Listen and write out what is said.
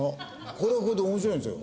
これはこれで面白いんですよ